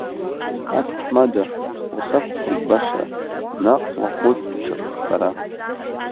Аҭаҳмада, усақәԥоит баша, наҟ уаҟәыҵ аҽырххара.